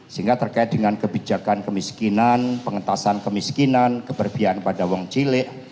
sehingga terkait dengan kebijakan kemiskinan pengentasan kemiskinan keberpihaan pada wong cilik